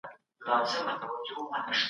غړي به په کمېټو کي د پروژو څېړنه کوي.